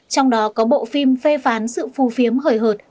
trong đó có bộ phim phê phán sự phu phiếm hời hợt